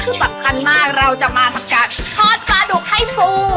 คือสำคัญมากเราจะมาทำการทอดปลาดุกให้ถูก